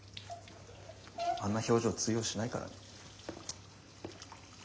あんな表情通用しないからね。